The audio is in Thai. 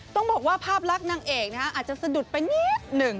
ต้องบอกว่าภาพลักษณ์นางเอกอาจจะสะดุดไปนิดหนึ่ง